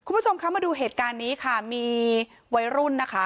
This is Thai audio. คุณผู้ชมคะมาดูเหตุการณ์นี้ค่ะมีวัยรุ่นนะคะ